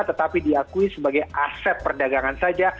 tetapi diakui sebagai aset perdagangan saja